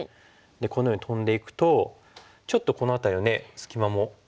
このようにトンでいくとちょっとこの辺りの隙間も空いてますし。